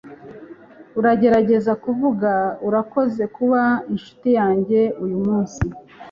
uragerageza kuvuga, urakoze kuba inshuti yanjye uyumunsi